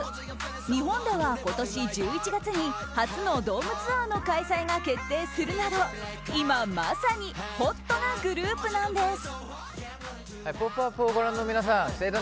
日本では、今年１１月に初のドームツアーの開催が決定するなど今まさにホットなグループなんです。